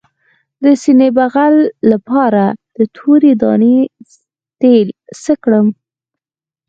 د سینې بغل لپاره د تورې دانې تېل څه کړم؟